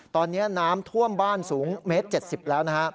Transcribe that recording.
ตอนนี้น้ำท่วมบ้านสูง๑๗๐เมตรแล้ว